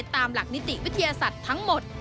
ตามหลักนิติวิทยาศาสตร์ทั้งหมด